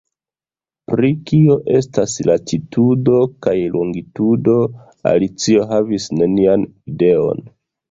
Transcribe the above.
Pri kio estas latitudo kaj longitudo Alicio havis nenian ideon.